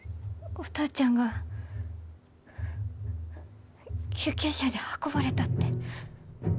お父ちゃんが救急車で運ばれたって。